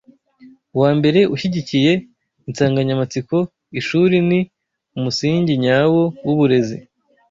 Uwa mbere ushyigikiye insanganyamatsiko Ishuri ni umusingi nyawo w’uburezi